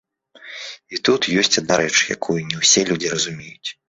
І тут ёсць адна рэч, якую не ўсе людзі разумеюць.